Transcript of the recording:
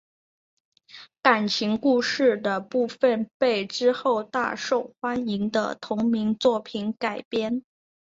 感情故事的部分被之后大受欢迎的同名作品改编。